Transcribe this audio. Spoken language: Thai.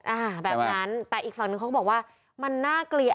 อ่าแบบนั้นแต่อีกฝั่งนึงเขาก็บอกว่ามันน่าเกลีย